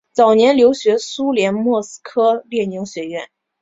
早年留学苏联莫斯科列宁学院。